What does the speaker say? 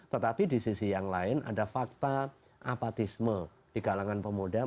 tetapi di sisi yang lain ada fakta apatisme di kalangan pemuda